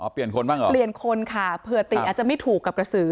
เปลี่ยนคนบ้างเหรอเปลี่ยนคนค่ะเผื่อติอาจจะไม่ถูกกับกระสือ